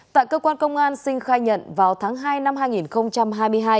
tại cơ quan công an sinh khai nhận vào tháng hai năm hai nghìn hai mươi hai